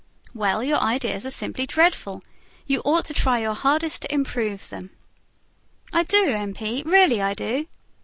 "Well, your ideas are simply dreadful. You ought to try your hardest to improve them." "I do, M. P., really I do."